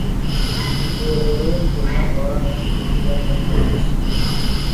Guerrero dikenal orang yang pendiam dan fokus.